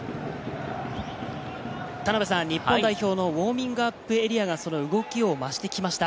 日本代表のウオーミングアップエリアが動きをましてきました。